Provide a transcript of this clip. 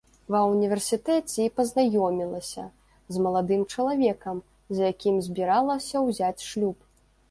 Ва ўніверсітэце і пазнаёмілася з маладым чалавекам, з якім збіралася ўзяць шлюб.